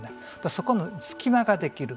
そこに隙間ができる。